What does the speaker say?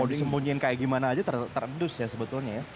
mau disembunyiin kayak gimana aja terendus ya sebetulnya ya